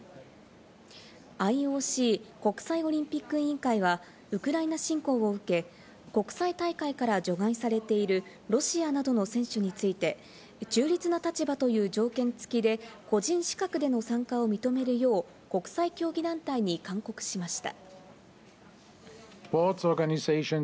ＩＯＣ＝国際オリンピック委員会は、ウクライナ侵攻を受け、国際大会から除外されているロシアなどの選手について、中立な立場という条件付きで、個人資格での参加を認めるよう国際競技団体に勧告しました。